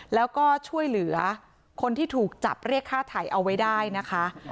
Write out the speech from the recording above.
แล้วก็ช่วยเหลือคนที่ถูกจับเรียกค่าถ่ายเอาไว้ได้นะคะ